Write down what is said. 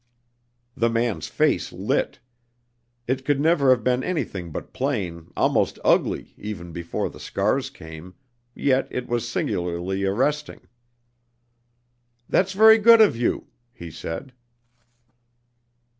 The man's face lit. It could never have been anything but plain, almost ugly, even before the scars came; yet it was singularly arresting. "That's very good of you," he said.